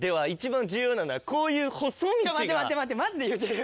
待って待って待ってマジで言うてる？